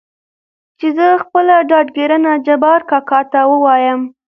چې زه خپله ډاډګرنه جبار کاکا ته ووايم .